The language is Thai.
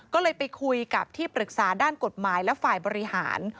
ก็เลยไปคุยกับที่ปรึกษาด้านกฎหมายและฝ่ายบริหาร